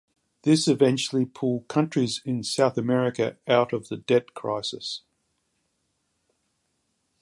This eventually pulled countries in South America out of the debt crisis.